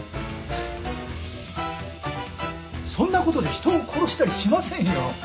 そんな事で人を殺したりしませんよ。